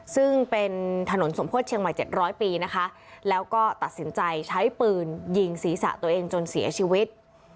ซึ่งเป็นถนนสมโพธิเชียงใหม่๗๐๐ปีนะคะแล้วก็ตัดสินใจใช้ปืนยิงศีรษะตัวเองจนเสียชีวิต